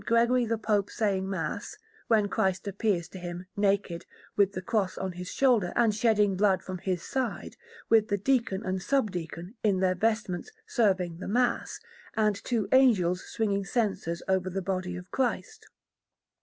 Gregory the Pope saying Mass, when Christ appears to him, naked, with the Cross on His shoulder, and shedding blood from His side, with the deacon and sub deacon, in their vestments, serving the Mass, and two angels swinging censers over the body of Christ.